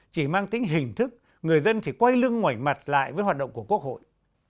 chỉ mang tính hình thức người dân thì quay lưng ngoảnh mặt lại với hoạt động của quốc hội